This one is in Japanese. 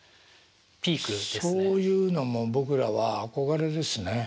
そういうのも僕らは憧れですね。